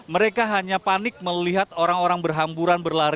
mereka hanya panik melihat orang orang berhamburan berlari